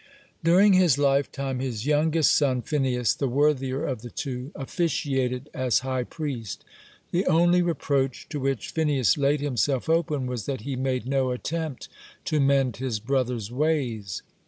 During his lifetime, his youngest son Phinehas, the worthier of the two, (27) officiated as high priest. The only reproach to which Phinehas laid himself open was that he made no attempt to mend his brother's ways.